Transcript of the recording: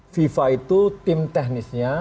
fifa itu tim teknisnya